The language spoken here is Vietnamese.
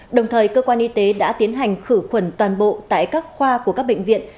đồng thời cơ quan y tế đã tiến hành khử khuẩn toàn bộ tại các khoa của các bệnh viện